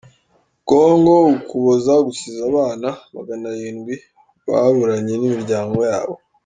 Kongo Ukuboza gusize abana maganarindwi baburanye n’imiryango yabo